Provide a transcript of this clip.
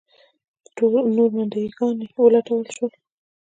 نور منډیي ګان ولټول شول.